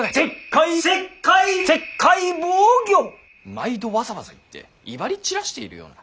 毎度わざわざ言って威張り散らしているような。